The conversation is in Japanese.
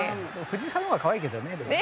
藤井さんの方がかわいいけどねでも。